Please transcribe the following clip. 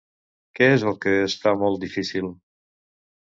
Què és el que es fa molt difícil?